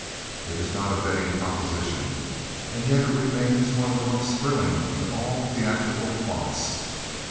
It is not a betting proposition and yet it remains one of the most thrilling of all theatrical plots.